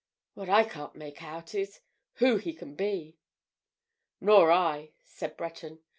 What I can't make out is—who he can be." "Nor I," said Breton.